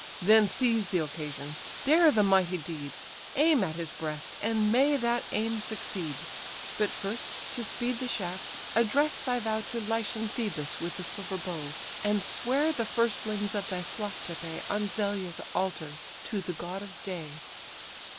Then seize the occasion, dare the mighty deed, Aim at his breast, and may that aim succeed! But first, to speed the shaft, address thy vow To Lycian Phœbus with the silver bow, And swear the firstlings of thy flock to pay, On Zelia's altars, to the god of day."